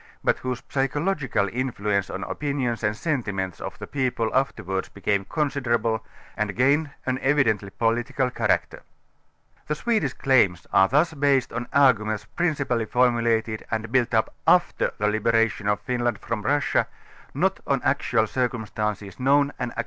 but whose psychological influenc├®e on opinions and sentiments of the ])eople afterwards becanu' considerable and gained an t'vidcntly political character. The Swedish claims are tlins based on arguiuciils piin cipally formulated and buill up <i(lcr the liberation of Fin land from Russia, not on actual cireumslanccs known and ; I ( 'k